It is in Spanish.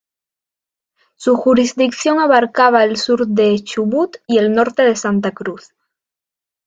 Su jurisdicción abarcaba el sur del Chubut y el norte de Santa Cruz.